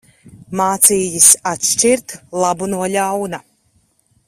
Mācījis atšķirt labu no ļauna.